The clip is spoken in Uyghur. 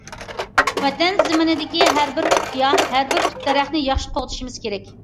ۋەتەن زېمىنىدىكى ھەربىر تۈپ گىياھ، ھەر بىر تۈپ دەرەخنى ياخشى قوغدىشىمىز كېرەك.